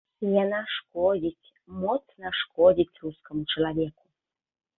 І яна шкодзіць, моцна шкодзіць рускаму чалавеку.